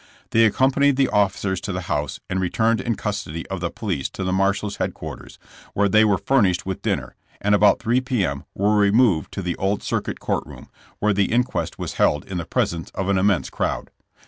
They accompanied the offi cers to the house and returned in custody of the police to the marshal's headquarters, where they were furnished with dinner, and about 3 p. m. were removed to the old circuit court room, where the in quest was held in the presence of an immense crowd.